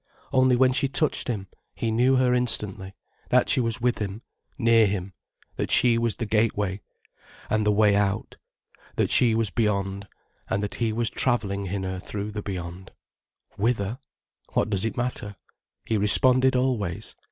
Only when she touched him, he knew her instantly, that she was with him, near him, that she was the gateway and the way out, that she was beyond, and that he was travelling in her through the beyond. Whither?—What does it matter? He responded always.